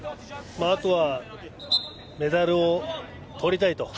あとはメダルをとりたいと。